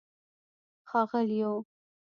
ښاغلیو